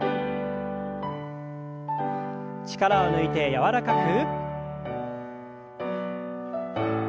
力を抜いて柔らかく。